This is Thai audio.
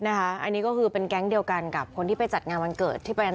ไปนิมนต์พระมาเถอะลูกจะได้กลับบ้าน